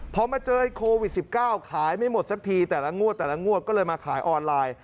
พอมาเจอโควิด๑๙ขายไม่หมดสักทีแต่ละงวดแต่ละงวดก็เลยมาขายออนไลน์